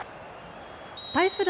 対する